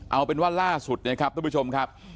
เอาเป็นว่าล่าสุดนะครับทุกผู้ชมครับ